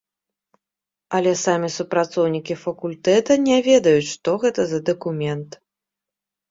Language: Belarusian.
Але самі супрацоўнікі факультэта не ведаюць, што гэта за дакумент.